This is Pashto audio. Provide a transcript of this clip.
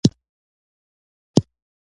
عمل یې نورو موثرو عناصرو پورې توپیر کوي.